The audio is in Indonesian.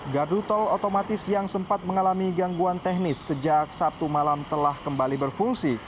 gardu tol otomatis yang sempat mengalami gangguan teknis sejak sabtu malam telah kembali berfungsi